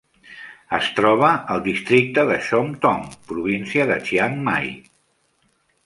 Es troba al districte de Chom Thong, província de Chiang Mai.